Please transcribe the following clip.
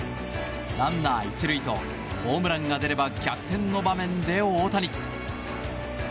ランナー１塁とホームランが出れば逆転の場面で大谷。